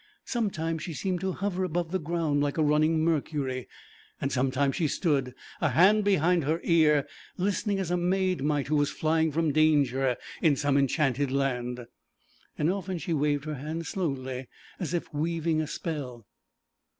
Sometimes she seemed to hover above the ground like a running Mercury. Sometimes she stood, a hand behind her ear, listening as a maid might who was flying from danger in some enchanted land. Often she waved her hands slowly as if weaving a spell.